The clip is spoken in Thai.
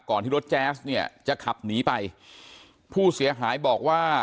ที่รถแจ๊สเนี่ยจะขับหนีไปผู้เสียหายบอกว่า